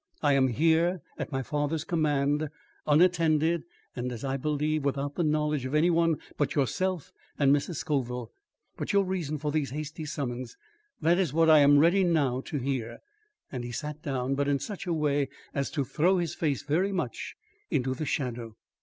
I am here, at my father's command, unattended and, as I believe, without the knowledge of any one but yourself and Mrs. Scoville. But your reason for these hasty summons that is what I am ready now to hear." And he sat down, but in such a way as to throw his face very much into the shadow.